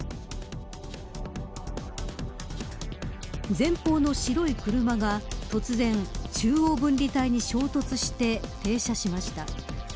前方の白い車が突然中央分離帯に衝突して、停車しました。